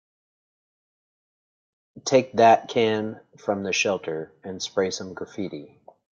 Take that can from the shelter and spray some graffiti.